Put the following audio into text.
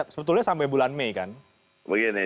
sebetulnya sampai bulan mei kan begini